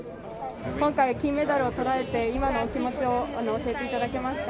今回、金メダルをとられて、今のお気持ちを教えていただけますか。